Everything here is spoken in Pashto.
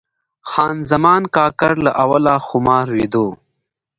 خان زمان کاکړ له اوله خمار ویده و.